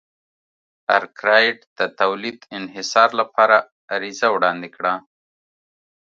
ارکرایټ د تولید انحصار لپاره عریضه وړاندې کړه.